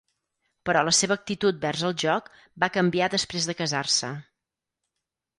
Però la seva actitud vers el joc va canviar després de casar-se.